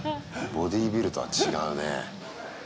ボディービルとは違うね。